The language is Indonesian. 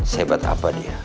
sebat apa dia